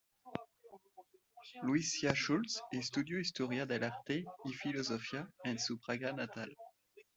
Lucía Schulz estudió historia del arte y Filosofía en su Praga natal.